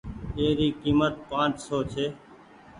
اي ري ڪيمت پآنچ سون ڇي۔